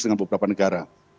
dengan beberapa negara